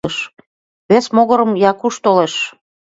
Вес могырым Якуш толеш.